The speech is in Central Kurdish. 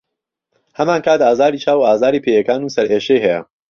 هەمانکات ئازاری چاو و ئازاری پێیەکان و سەرئێشەی هەیە.